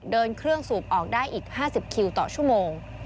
เดินเครื่องสูบออกได้อีก๕๐คิวต่อชั่วโมง